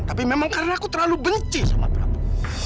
tapi memang karena aku terlalu benci sama prabu